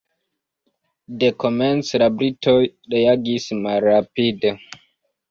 Dekomence la britoj reagis malrapide.